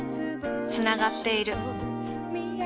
つながっている。